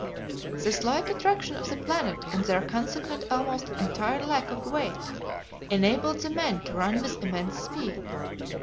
The slight attraction of the planet and their consequent almost entire lack of weight enabled the men to run with immense speed.